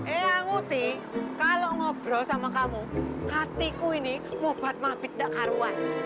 eh anguti kalau ngobrol sama kamu hatiku ini mau bat bat tak karuan